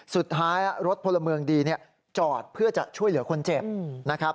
สุดท้ายรถพลเมืองดีจอดเพื่อจะช่วยเหลือคนเจ็บนะครับ